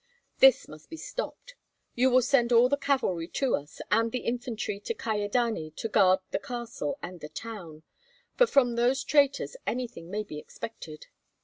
This must be stopped! You will send all the cavalry to us, and the infantry to Kyedani to guard the castle and the town, for from those traitors anything may be expected.